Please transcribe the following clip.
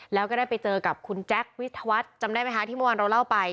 แล้วก็ได้ไปเจอกับคุณแจ๊ควิทวัฒน์จำได้ไหมคะที่เมื่อวานเราเล่าไป